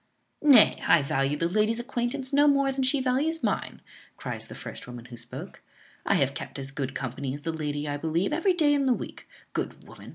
"Nay, I value the lady's acquaintance no more than she values mine," cries the first woman who spoke. "I have kept as good company as the lady, I believe, every day in the week. Good woman!